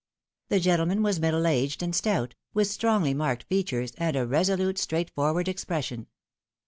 The gentleman was middle aged and stout, with strongly marked features and a resolute, straightforward expression.